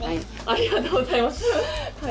ありがとうございます。